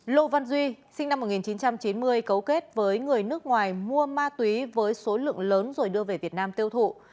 lô văn duy sinh năm một nghìn chín trăm chín mươi cấu kết với người nước ngoài mua ma túy với số lượng lớn rồi đưa về việt nam tiêu thụ